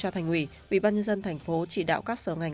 tầng năm mươi sáu thì bên cơ hội đấy